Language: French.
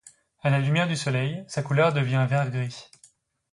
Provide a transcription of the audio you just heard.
À la lumière du soleil, sa couleur devient vert-gris.